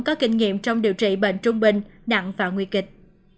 có kinh nghiệm trong điều trị bệnh trung bình nặng và nguy kịch